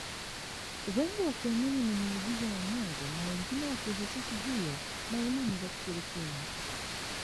Wengi wakiamini ni miujiza ya mungu na wengine wakiihusisha hiyo na imani za kishirikina